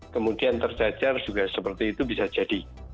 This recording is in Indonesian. kemudian terjajar juga seperti itu bisa jadi